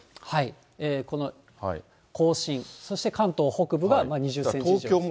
この甲信、そして関東北部が２０センチ以上。